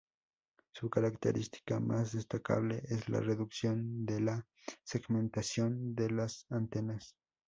Su característica más destacable es la reducción de la segmentación de las antenas.